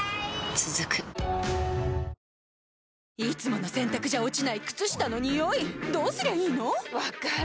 続くいつもの洗たくじゃ落ちない靴下のニオイどうすりゃいいの⁉分かる。